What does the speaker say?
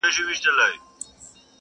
له ظالمه که مظلوم په راحت نه وي -